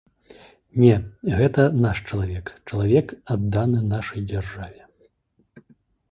Не, гэта наш чалавек, чалавек, адданы нашай дзяржаве.